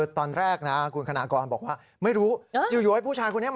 ตอนต่อไป